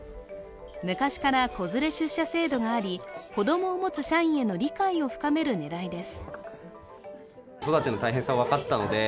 昔から子連れ出社制度があり、子供を持つ社員への理解を深める狙いです。